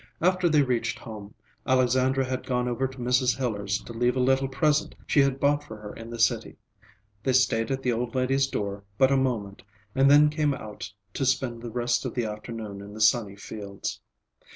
After they reached home, Alexandra had gone over to Mrs. Hiller's to leave a little present she had bought for her in the city. They stayed at the old lady's door but a moment, and then came out to spend the rest of the afternoon in the sunny fields.